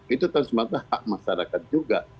itu trans sumatera hak masyarakat juga